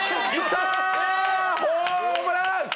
ホームラン！